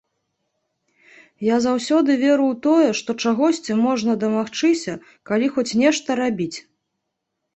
Я заўсёды веру ў тое, што чагосьці можна дамагчыся, калі хоць нешта рабіць.